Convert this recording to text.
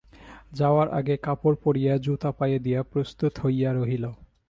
যাওয়ার আগে কাপড় পরিয়া জুতা পায়ে দিয়া প্রস্তুত হইয়া রহিল।